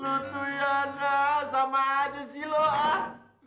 lu tuh yana sama aja sih lo ah